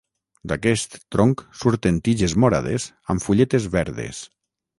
D'aquest tronc surten tiges morades amb fulletes verdes.